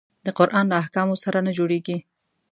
د قرآن له احکامو سره نه جوړیږي.